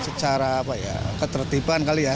secara apa ya ketertiban kali ya